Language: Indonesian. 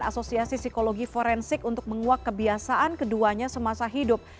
asosiasi psikologi forensik untuk menguak kebiasaan keduanya semasa hidup